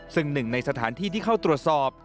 ซึ่งหนึ่งในสถานที่ที่เข้าตรวจสอบ